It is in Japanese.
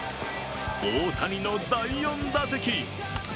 大谷の第４打席。